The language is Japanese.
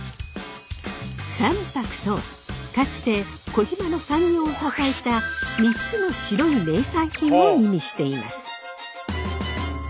三白とはかつて児島の産業を支えた３つの白い名産品を意味しています。